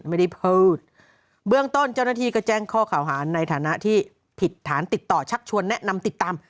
ไม่ได้พูดเบื้องต้นเจ้าหน้าที่ก็แจ้งข้อข่าวหาในฐานะที่ผิดฐานติดต่อชักชวนแนะนำติดตาม